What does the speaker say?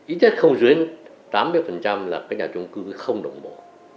ý chắc không dưới tám mươi là các nhà chung cư không đồng bộ